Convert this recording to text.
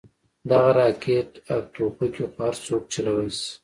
دغه راكټ او ټوپكې خو هرسوك چلوې شي.